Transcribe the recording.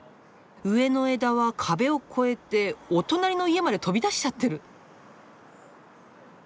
上の枝は壁を超えてお隣の家まで飛び出しちゃってる！